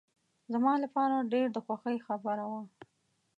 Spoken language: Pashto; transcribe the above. زما لپاره ډېر د خوښۍ خبره وه.